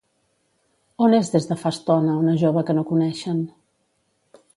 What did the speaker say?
On és des de fa estona una jove que no coneixen?